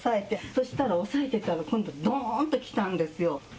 そしたら、押さえていたらドーンと来たんですよ。